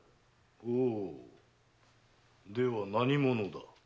ほうでは何者だ。